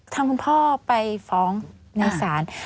ทางคุณพ่อไปฟ้องในศาล